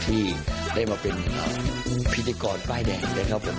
ที่ได้มาเป็นพิธีกรป้ายแดงนะครับผม